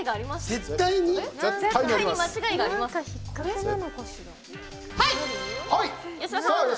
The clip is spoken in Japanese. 絶対に間違いがあります。